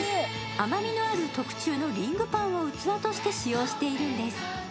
甘みのある特注のリングパンを器として使用しているんです。